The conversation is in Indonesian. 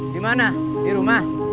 dimana di rumah